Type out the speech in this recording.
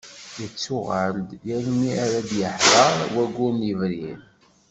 Yettuɣal-d yal mi ara d-yeḥḍer waggur n yebrir.